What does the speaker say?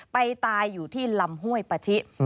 ไปตายอยู่ที่ลำห้วยปะชิ